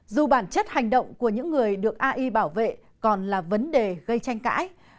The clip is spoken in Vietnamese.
dù bản chất hành động của những người được ai bảo vệ còn là vấn đề gây tranh cãi